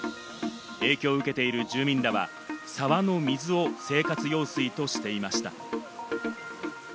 影響を受けている住民らは、沢の水を生活用水としていました。